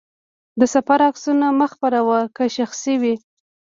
د سفر عکسونه مه خپره وه، که شخصي وي.